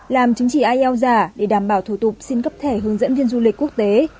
làm chứng chỉ ielts giả để đảm bảo thủ tục xin cấp thẻ hướng dẫn viên du lịch quốc tế